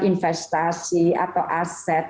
investasi atau aset